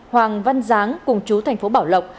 hoàng văn giáng cùng chú thành phố bảo lộng